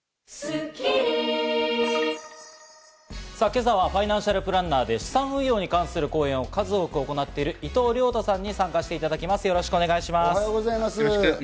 今朝はファイナンシャルプランナーで資産運用に関する講演を数多く行っている伊藤亮太さんに参加していただきます。